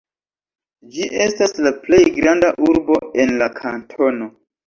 Ĝi estas la plej granda urbo en la kantono.